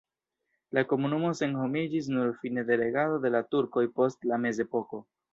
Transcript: La komunumo senhomiĝis nur fine de regado de la turkoj post la mezepoko.